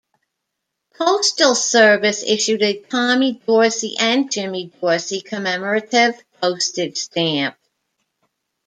Postal Service issued a Tommy Dorsey and Jimmy Dorsey commemorative postage stamp.